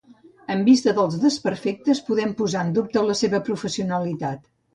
En vista dels desperfectes, podem posar en dubte la seva professionalitat.